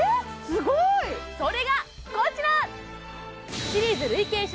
すごい！それがこちら！